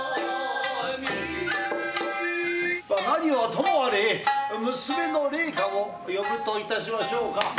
何はともあれ、娘の麗禾を呼ぶといたしましょうか。